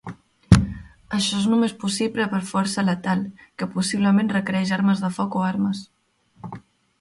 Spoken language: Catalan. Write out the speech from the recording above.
Això és només possible per força letal, que possiblement requereix armes de foc o armes.